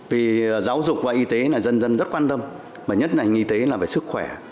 vì giáo dục và y tế là dân dân rất quan tâm mà nhất là ngành y tế là về sức khỏe